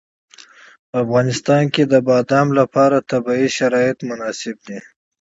په افغانستان کې د بادام لپاره طبیعي شرایط مناسب دي.